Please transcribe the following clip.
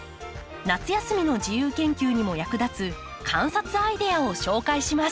夏休みの自由研究にも役立つ観察アイデアを紹介します。